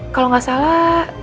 kalau nggak salah